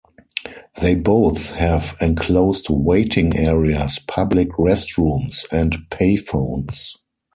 They both have enclosed waiting areas, public restrooms, and payphones.